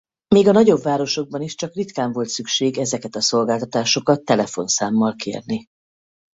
Még a nagyobb városokban is csak ritkán volt szükség ezeket a szolgáltatásokat telefonszámmal kérni.